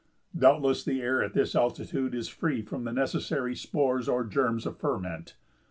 Doubtless the air at this altitude is free from the necessary spores or germs of ferment.